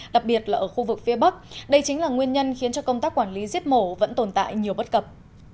đặc biệt là ở khu vực phía bắc đây chính là nguyên nhân khiến cho công tác quản lý giết mổ vẫn tồn tại nhiều bất cập